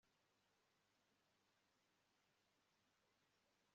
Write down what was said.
ifu yagiye - bategereje neza vino yasezeranijwe. minisitiri